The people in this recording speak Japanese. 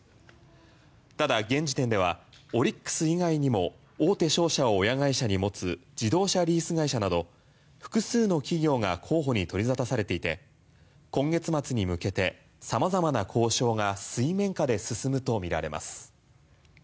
ただ現時点ではオリックス以外にも大手商社を親会社に持つ自動車リース会社など複数の企業が候補に取り沙汰されていて今月末に向けて様々な交渉が水面下で進むとみられます。